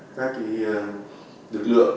các lực lượng